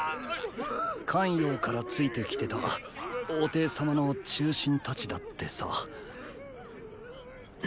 咸陽からついて来てた王弟様の忠臣たちだってさ。